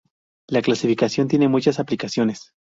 La clasificación tiene muchas aplicaciones.